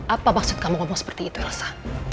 apa maksud kamu ngomong seperti itu elsa